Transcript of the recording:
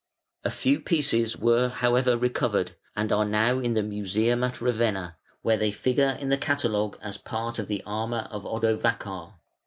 A few pieces were, however, recovered, and are now in the museum at Ravenna, where they figure in the catalogue as part of the armour of Odovacar.